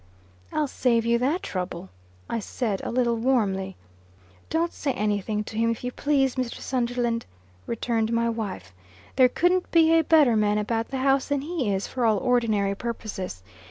"I'll save you that trouble," I said, a little warmly. "Don't say any thing to him, if you please, Mr. Sunderland," returned my wife. "There couldn't be a better man about the house than he is, for all ordinary purposes.